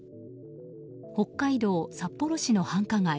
北海道札幌市の繁華街